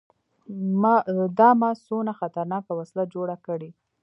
دا ما څونه خطرناکه وسله جوړه کړې.